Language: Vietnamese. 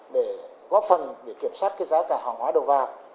để góp phần để kiểm soát giá cả hỏa hóa đầu vào